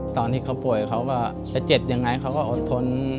ตอนที่เขาป่วยเขาก็จะเจ็บยังไงเขาก็อดทน